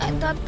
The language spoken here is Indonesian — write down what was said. aku mau lihat